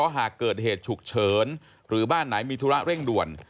หากเกิดเหตุฉุกเฉินหรือบ้านไหนมีธุระเร่งด่วน